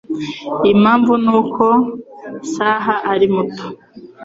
Impamvu ni uko saha ari muto